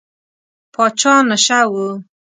پاچا نشه و.